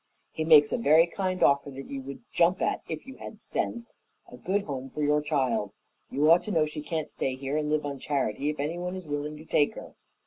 "He makes a very kind offer that you would jump at if you had sense a good home for your child. You ought to know she can't stay here and live on charity if anyone is willing to take her."